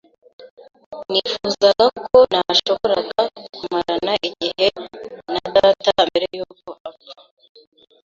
Nifuzaga ko nashoboraga kumarana igihe na data mbere yuko apfa.